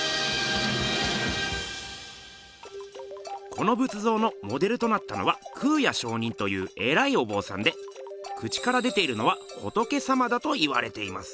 この仏像のモデルとなったのは空也上人というえらいおぼうさんで口から出ているのは仏様だといわれています。